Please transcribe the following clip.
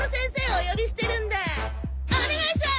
お願いします！